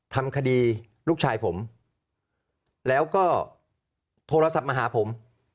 ทำคดีลูกชายผมแล้วก็โทรศัพท์มาหาผม